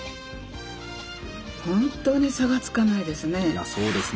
本当に差がつかないですね。